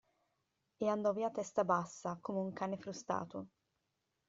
E andò via a testa bassa, come un cane frustato.